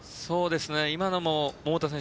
今のも、桃田選手